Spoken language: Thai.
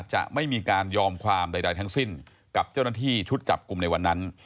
จะไม่มีการยอมความใดทั้งสิ้นกับเจ้าหน้าที่ชุดจับกลุ่มในวันนั้น